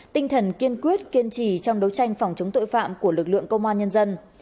tinh thần kiên quyết kiên trì trong đấu tranh phòng chống tội phạm của lực lượng công an nhân dân